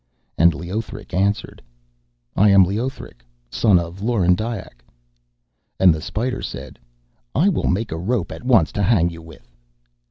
And Leothric answered: 'I am Leothric, son of Lorendiac.' And the spider said: 'I will make a rope at once to hang you with.'